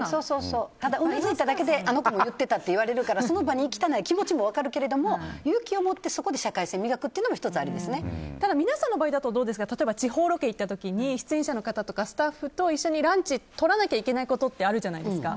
ただうなずいただけであの子も言ってたって言われるからその場に行きたない気持ちも分かるけども勇気をもってそこで社会性を皆さんの場合だと地方ロケ行った時に出演者の方とかスタッフと一緒にランチをとらなきゃいけないことってあるじゃないですか。